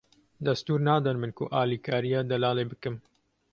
Destûr nedan min ku alikariya Delalê bikim.